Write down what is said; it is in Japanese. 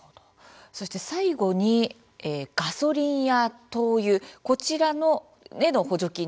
そして最後にガソリンや灯油こちらへの補助金